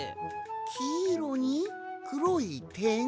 きいろにくろいてん？